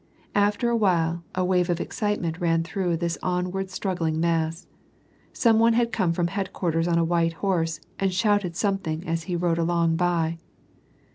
After a while, a wave of excite ment ran througli this onward struggling mass. Some one had come from headquarters on a white horse and shouted some thing as he rode along by.